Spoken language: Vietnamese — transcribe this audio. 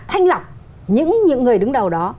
thanh lọc những người đứng đầu đó